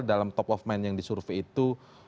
dalam top of mind yang disurvey itu